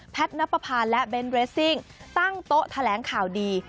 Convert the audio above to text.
แพทนัปภาและเบ้นเรสซิ่งตั้งโต๊ะแถลงข่าวดี